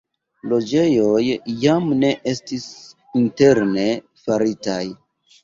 Loĝejoj jam ne estis interne faritaj.